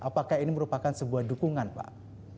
apakah ini merupakan sebuah dukungan pak